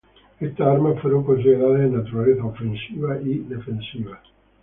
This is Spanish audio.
Estas armas fueron consideradas de naturaleza ofensiva y defensiva.